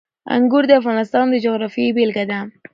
انګور د افغانستان د جغرافیې بېلګه ده.